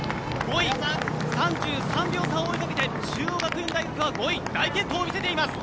５位、３３秒差を追いかけて中央学院大学は５位大健闘を見せています。